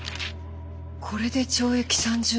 これで懲役３０年か。